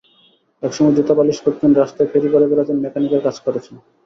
একসময় জুতা পালিশ করতেন, রাস্তায় ফেরি করে বেড়াতেন, মেকানিকের কাজ করেছেন।